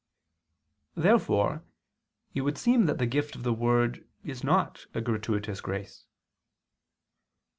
Therefore it would seem that the gift of the word is not a gratuitous grace.